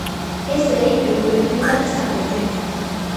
ესე იგი, გვექნება ცამეტი.